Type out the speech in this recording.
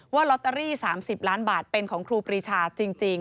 ลอตเตอรี่๓๐ล้านบาทเป็นของครูปรีชาจริง